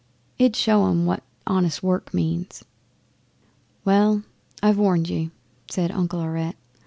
It 'ud show 'em what honest work means." '"Well, I've warned ye," says Uncle Aurette.